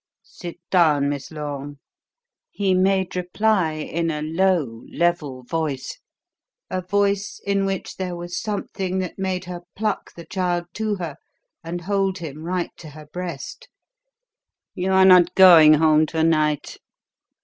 "Sit down, Miss Lorne." He made reply in a low, level voice, a voice in which there was something that made her pluck the child to her and hold him right to her breast. "You are not going home to night.